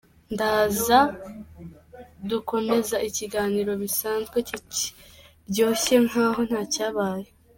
Ndaza dukomeza ikiganiro bisanzwe kiryoshye rwose nkaho nta cyabaye.